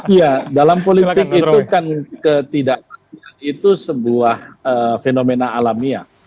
iya dalam politik itu kan ketidakpastian itu sebuah fenomena alamiah